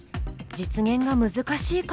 実現が難しいかも。